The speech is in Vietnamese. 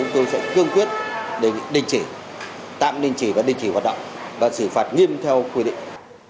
chúng tôi sẽ tương quyết tạm định chỉ và định chỉ hoạt động và xử phạt nghiêm theo quy định